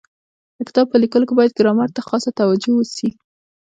د کتاب په لیکلو کي باید ګرامر ته خاصه توجو وسي.